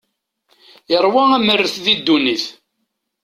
Iṛwa amerret di ddunit.